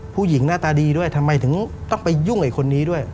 หน้าตาดีด้วยทำไมถึงต้องไปยุ่งไอ้คนนี้ด้วย